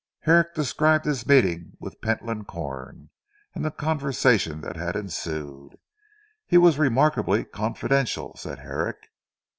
Herrick described his meeting with Pentland Corn, and the conversation that had ensued. "He was remarkably confidential," said Herrick.